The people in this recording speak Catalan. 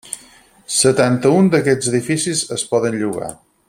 Setanta-un d'aquests edificis es poden llogar.